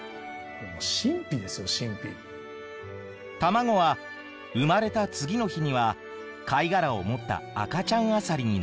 卵は生まれた次の日には貝殻を持った赤ちゃんアサリになる。